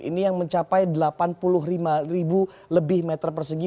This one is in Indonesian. ini yang mencapai delapan puluh lima ribu lebih meter persegi